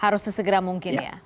harus sesegera mungkin ya